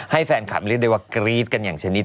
แฟนคลับเรียกได้ว่ากรี๊ดกันอย่างชนิด